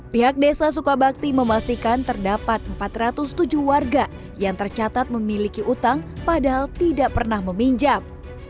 pihak desa sukabakti memastikan terdapat empat ratus tujuh warga yang tercatat memiliki utang padahal tidak pernah meminjam